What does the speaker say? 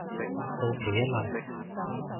好奇一問